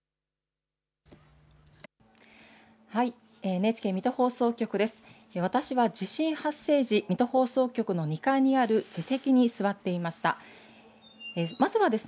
ＮＨＫ水戸放送局です。